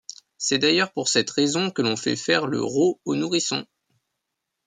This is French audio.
C'est d'ailleurs pour cette raison que l'on fait faire le rot aux nourrissons.